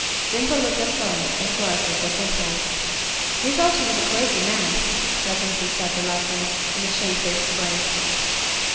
Dimple looked at Florence and Florence looked at Dimple. "We thought he was a crazy man," presently said the latter, in a shamefaced way.